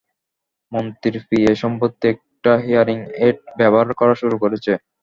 মন্ত্রীর পিএ সম্প্রতি একটা হিয়ারিং এইড ব্যবহার করা শুরু করেছে।